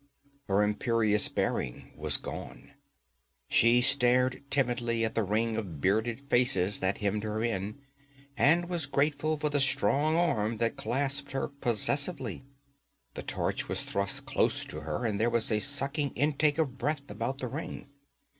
Her imperious bearing was gone. She stared timidly at the ring of bearded faces that hemmed her in, and was grateful for the strong arm that clasped her possessively. The torch was thrust close to her, and there was a sucking intake of breath about the ring.